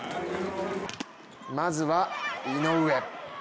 まずは井上。